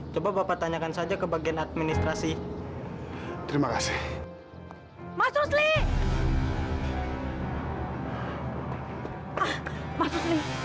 coba bapak tanyakan saja ke bagian administrasi terima kasih mas rusli